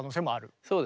そうですね